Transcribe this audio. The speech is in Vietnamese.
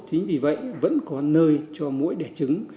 chính vì vậy vẫn có nơi cho mỗi đẻ trứng